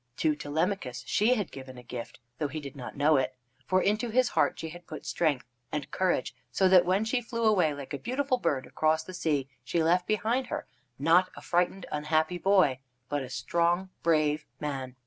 To Telemachus she had given a gift, though he did not know it. For into his heart she had put strength and courage, so that when she flew away like a beautiful bird across the sea she left behind her, not a frightened, unhappy boy, but a strong, brave man.